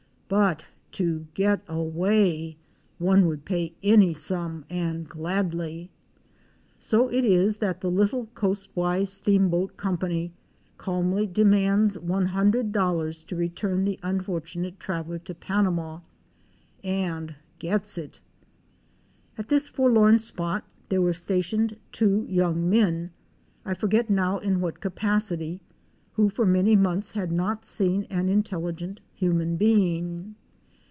But to get away — one would pay any sum and gladly. So it is that the little coastwise steamboat company calmly demands $100 to return the unfortunate traveller to Panama —and gels it. At this forlorn spot there were stationed two young men, I forget now in what capacity, who for many months had not seen an intelligent human being.